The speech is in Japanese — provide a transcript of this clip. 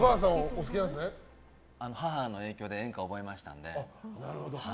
母の影響で演歌覚えましたので。